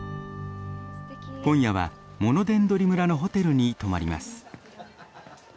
今夜はモノデンドリ村のホテルに泊まります。